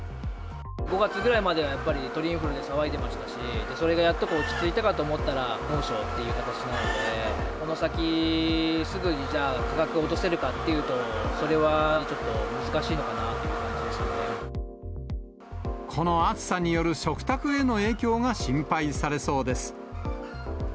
５月ぐらいまでは、やっぱり、鳥インフルで騒いでいましたし、それがやっと落ち着いたかと思ったら、猛暑という形なので、この先、すぐにじゃあ、価格を落とせるかっていうと、それはちょっと難しいのかなといこの暑さによる食卓への影響が心配されそうです。